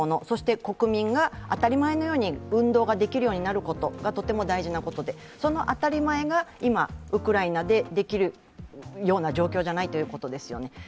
そして国民が当たり前のように運動ができることがとても大事なことで、その当たり前が今、ウクライナでできるような状況じゃないということですよね。